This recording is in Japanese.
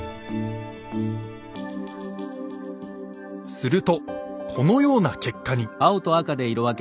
するとこのような結果に。